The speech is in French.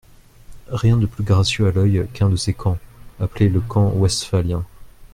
Rien de plus gracieux à l'œil qu'un de ces camps, appelé le camp westphalien.